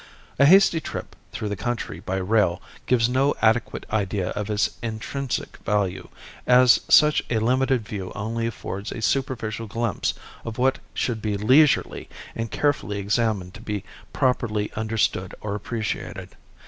A hasty trip through the country by rail gives no adequate idea of its intrinsic value, as such a limited view only affords a superficial glimpse of what should be leisurely and carefully examined to be properly understood or appreciated.